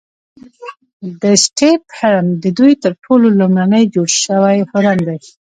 د سټیپ هرم ددوی تر ټولو لومړنی جوړ شوی هرم دی.